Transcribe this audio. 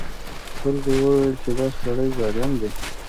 خلکو وویل چې دا سړی ظالم دی.